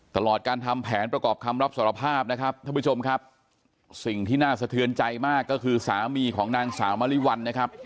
ตลอดการทำแผนประกอบคำรับสารภาพนะครับท่านผู้ชมครับสิ่งที่น่าสะเทือนใจมากก็คือสามีของนางสาวมริวัลนะครับ